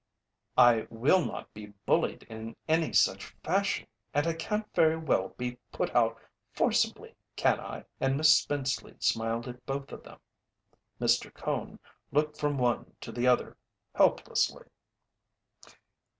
"I will not be bullied in any such fashion, and I can't very well be put out forcibly, can I?" and Miss Spenceley smiled at both of them. Mr. Cone looked from one to the other, helplessly.